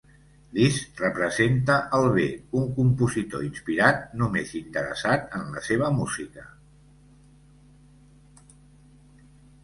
Liszt representa el bé: un compositor inspirat, només interessat en la seva música.